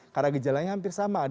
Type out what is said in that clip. karena gejalanya hampir tidak terjadi